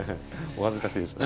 お恥ずかしいです。